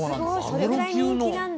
それぐらい人気なんだ。